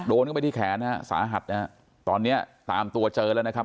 โดนเข้าไปที่แขนฮะสาหัสนะฮะตอนเนี้ยตามตัวเจอแล้วนะครับ